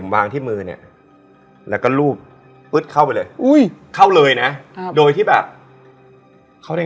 ว้างเปล่าเลยเหรอ